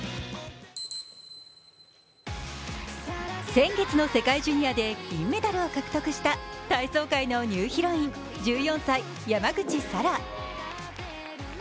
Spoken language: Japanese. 先月の世界ジュニアで銀メダルを獲得した体操界のニューヒロイン、１４歳、山口幸空。